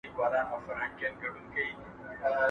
نو ستاسو د مالیاتو په فارم کې